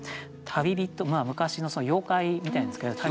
昔の妖怪みたいなんですけどうわ